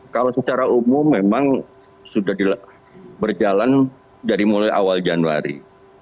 kalau secara umum memang sudah berjalan dari mulai awal januari